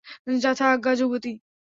যথা আজ্ঞা, যুবতী।